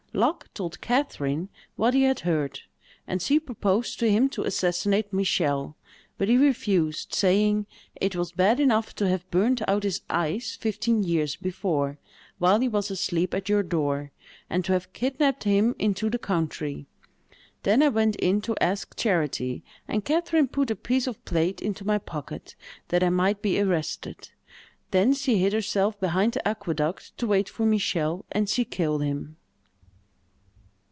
Luck told Catherine what he had heard, and she proposed to him to assassinate Michel; but he refused, saying, 'It was bad enough to have burnt out his eyes fifteen years before, while he was asleep at your door, and to have kidnapped him into the country.' Then I went in to ask charity, and Catherine put a piece of plate into my pocket, that I might be arrested; then she hid herself behind the aqueduct to wait for Michel, and she killed him."